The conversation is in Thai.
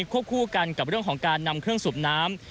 วบคู่กันกับเรื่องของการนำเครื่องสูบน้ำ